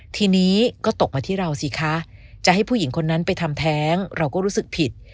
ทีนี้ก็ตกมาที่เราสิคะจะให้ผู้หญิงคนนั้นไปทำแท้งเราก็รู้สึกผิด